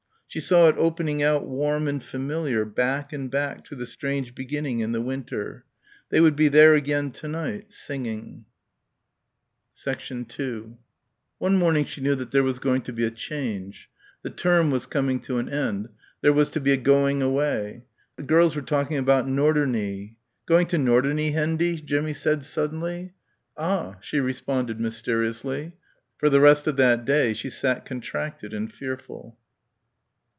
She saw it opening out warm and familiar back and back to the strange beginning in the winter. They would be there again to night, singing. 2 One morning she knew that there was going to be a change. The term was coming to an end. There was to be a going away. The girls were talking about "Norderney." "Going to Norderney, Hendy?" Jimmie said suddenly. "Ah!" she responded mysteriously. For the rest of that day she sat contracted and fearful.